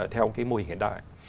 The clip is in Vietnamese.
theo mô hình hiện đại